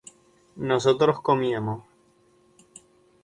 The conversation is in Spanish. nosotros comíamos